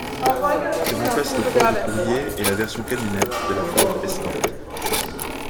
Il remplace le Ford Courier et la version camionnette de la Ford Escort.